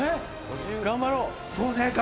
頑張ろう。